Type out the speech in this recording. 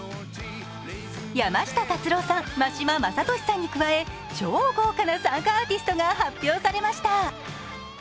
山下達郎さん、真島昌利さんに加え超豪華な参加アーティストが発表されました。